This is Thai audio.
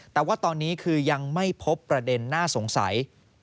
แต่ว่าตอนนี้คือยังไม่พบประเด็นน่าสงสัย